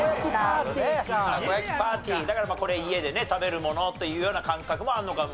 だからこれは家で食べるものというような感覚もあるのかもしれませんが。